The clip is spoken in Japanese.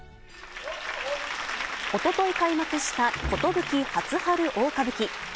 おととい開幕した、壽初春大歌舞伎。